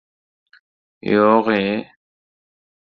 — Yo‘g‘-ye...